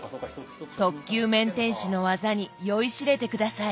特級麺点師の技に酔いしれて下さい。